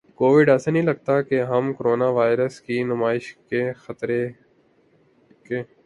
Covid ایسا نہیں لگتا کہ ہم کورونا وائرس کی نمائش کے خطرے ک